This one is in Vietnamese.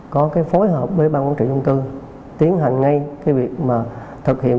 có phối hợp với ban quản trị dân cư tiến hành ngay cái việc mà thực hiện